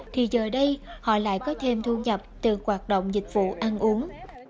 thì giờ đây họ lại có thêm thu nhập từ hoạt động dịch vụ ăn uống